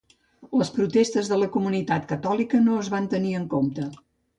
Les protestes de la comunitat catòlica no es van tenir en compte.